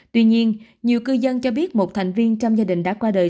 tuy nhiên nhiều cư dân cho biết một thành viên trong gia đình đã qua đời